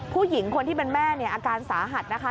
ผู้หญิงคนที่เป็นแม่เนี่ยอาการสาหัสนะคะ